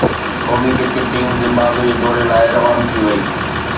قومي cricket team Zimbabwe جي دوري لاءِ روانو ٿي وئي